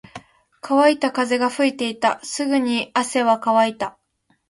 乾いた風が吹いていた。すぐに汗は乾いた。